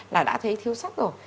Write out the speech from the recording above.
là đã thấy thiếu sắt rồi